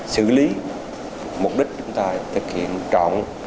xử lý mục đích chúng ta thực hiện trọn